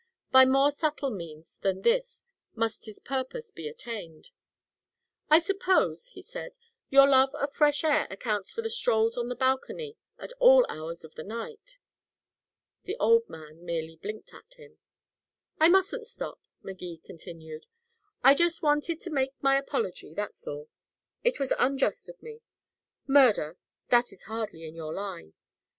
By more subtle means than this must his purpose be attained. "I suppose," he said, "your love of fresh air accounts for the strolls on the balcony at all hours of the night?" The old man merely blinked at him. "I mustn't stop," Magee continued. "I just wanted to make my apology, that's all. It was unjust of me. Murder that is hardly in your line.